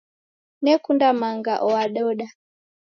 Nekunda manga oododa.